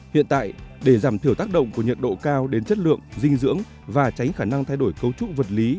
hiện tại để giảm thiểu tác động của nhiệt độ cao đến chất lượng dinh dưỡng và tránh khả năng thay đổi cấu trúc vật lý